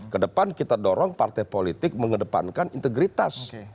kedepan kita dorong partai politik mengedepankan integritas